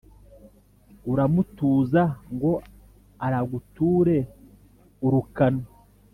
Uramutuza ngo araguture urukano*,